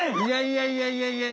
いやいやいやいや。